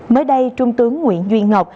mới đây trung tướng nguyễn duy ngọc